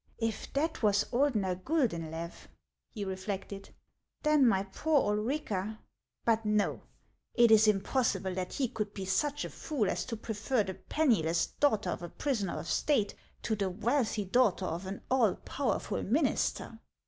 " If that was Ordener G uldenlew," he reflected, " then my poor Ulrica — But no ; it is impossible that he could be such a fool as to prefer the penniless daughter of a prisoner of State to the wealthy daughter of an all powerful minister.